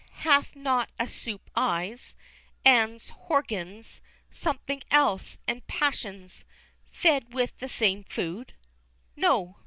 Hath not a supe eyes, 'ands, horgans, somethin' else, and passions? fed with the same food? (no!